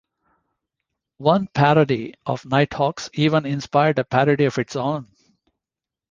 One parody of "Nighthawks" even inspired a parody of its own.